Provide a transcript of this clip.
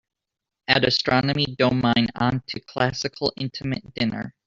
Add astronomy domine onto Classical Intimate Dinner.